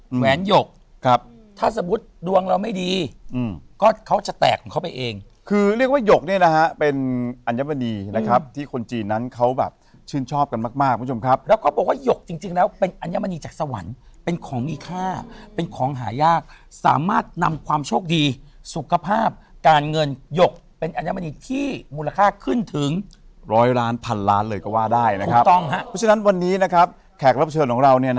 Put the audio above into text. ให้ใส่ไว้นะแหวนหยกครับถ้าสมมุติดวงเราไม่ดีอืมก็เขาจะแตกเขาไปเองคือเรียกว่าหยกเนี่ยนะฮะเป็นอัญมณีนะครับที่คนจีนนั้นเขาแบบชื่นชอบกันมากคุณผู้ชมครับแล้วก็บอกว่าหยกจริงแล้วเป็นอัญมณีจากสวรรค์เป็นของมีค่าเป็นของหายากสามารถนำความโชคดีสุขภาพการเงินหยกเป็นอัญมณีที่มูลค่า